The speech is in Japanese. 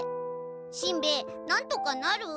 しんべヱなんとかなる？